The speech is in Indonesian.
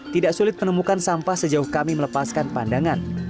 tidak sulit menemukan sampah sejauh kami melepaskan pandangan